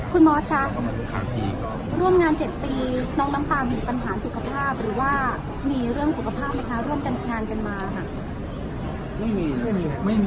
ก็เป็นเรื่องแทน